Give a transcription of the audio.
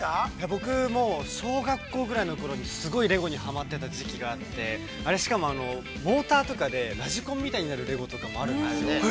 ◆僕も、小学校ぐらいのころに、すごいレゴにハマっていた時期があって、しかも、モーターとかでラジコンみたいになるレゴもあるんですよね。